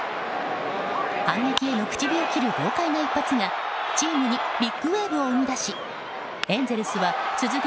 反撃への口火を切る豪快な一発がチームにビッグウェーブを生み出しエンゼルスは続く